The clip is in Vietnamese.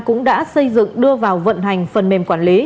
cũng đã xây dựng đưa vào vận hành phần mềm quản lý